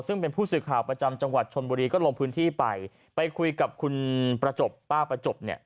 ซึ่งเป็นผู้สื่อข่าวประจำจังหวัดชนบุรีก็ลงพื้นที่ไปไปคุยกับคุณประจบป้าประจบเนี่ย